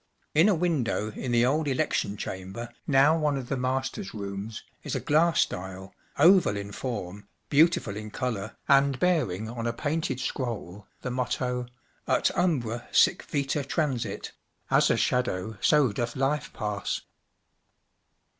In a window in the old election cham¬ ber, now one of the masters' rooms, is a glass dial, oval in form, beautiful in colour, and bearing on a painted scroll the motto—“Ut umbra sic vita transit" (As a shadow so doth life pass).